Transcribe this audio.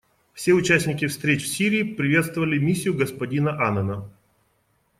Все участники встреч в Сирии приветствовали миссию господина Аннана.